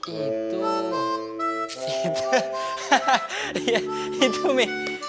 itu itu mi